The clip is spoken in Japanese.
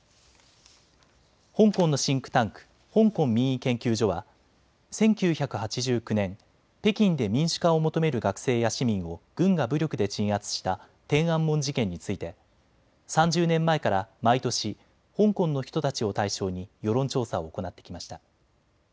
香港のシンクタンク、香港民意研究所は１９８９年、北京で民主化を求める学生や市民を軍が武力で鎮圧した天安門事件について３０年前から毎年香港の人たちを対象に世論調査を行ってきました。